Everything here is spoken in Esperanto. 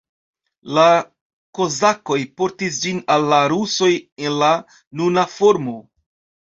La kozakoj portis ĝin al la rusoj en la nuna formo.